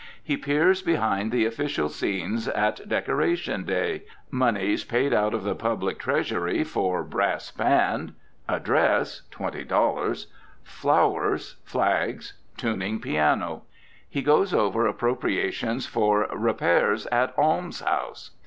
He peers behind the official scenes at Decoration Day: monies paid out of the public treasury for "Brass Band, Address ($20.00), flowers, flags, tuning piano." He goes over appropriations for "Repairs at Almshouse."